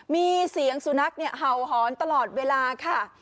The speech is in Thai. มีเสียงสุนัขเห่าหอนตลอดเวลาค่ะ